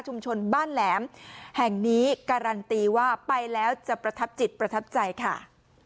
บ้านแหลมแห่งนี้การันตีว่าไปแล้วจะประทับจิตประทับใจค่ะ